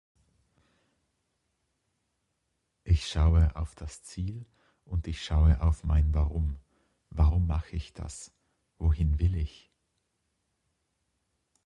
Ich schaue auf das Ziel und ich schaue auf mein Warum. Warum mache ich das? Wohin will ich?